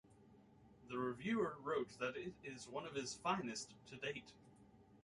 The reviewer wrote that it is one of his finest to date.